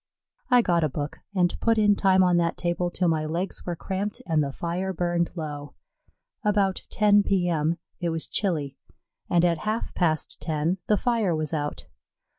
I got a book and put in time on that table till my legs were cramped and the fire burned low. About 10 P.M. it was chilly, and at half past ten the fire was out.